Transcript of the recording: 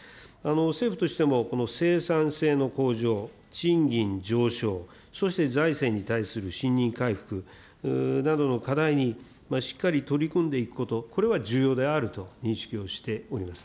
政府としても、この生産性の向上、賃金上昇、そして財政に対する信任回復などの課題にしっかり取り組んでいくこと、これは重要であると認識をしております。